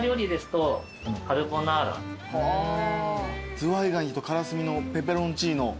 ズワイガニとカラスミのペペロンチーノ。